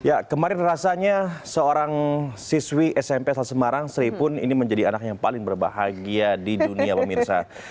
ya kemarin rasanya seorang siswi smp asal semarang sri pun ini menjadi anak yang paling berbahagia di dunia pemirsa